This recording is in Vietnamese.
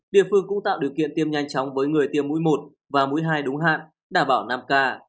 địa phương cũng tạo điều kiện tiêm nhanh chóng với người tiêm mũi một và mũi hai đúng hạn đảm bảo năm ca